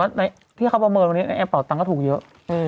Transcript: แบบว่าแบบว่าที่เขาประมาณวันนี้แอปเป่าตังค์ก็ถูกเยอะ